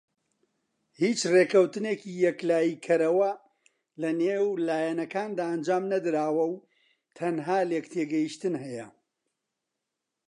هیچ ڕێککەوتنێکی یەکلایی کەرەوە لەنێوان لایەنەکاندا ئەنجام نەدراوە و تەنها لێکتێگەیشتن هەیە.